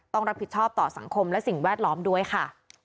ต้องรับผิดชอบต่อสังคมและสิ่งแวดล้อมด้วยค่ะ